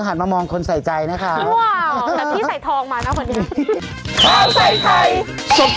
หันมามองคนใส่ใจนะครับ